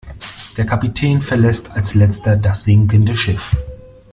Der Kapitän verlässt als Letzter das sinkende Schiff.